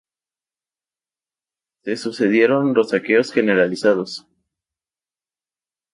Se sucedieron los saqueos generalizados.